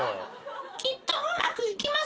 きっとうまくいきます。